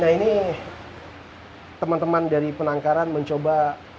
nah ini teman teman dari penangkaran mencoba